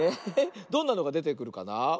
どんなのがでてくるかな？